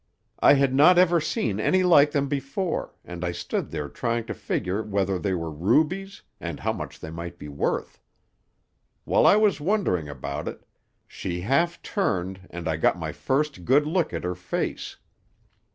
I had not ever seen any like them before and I stood there trying to figure whether they were rubies and how much they might be worth. While I was wondering about it, she half turned and I got my first good look at her face.